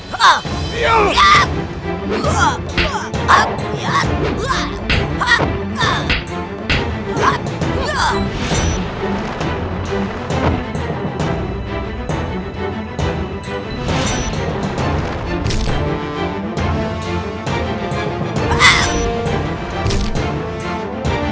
kau bisa menginginkan kematianku seperti ini bagi kami ada cre unaware